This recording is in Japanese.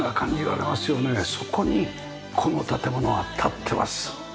そこにこの建物は立ってます。